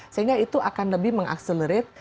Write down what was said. sehingga itu akan lebih meng accelerate